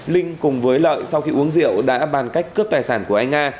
linh cùng với lợi sau khi uống rượu đã bàn cách cướp tài sản của anh nga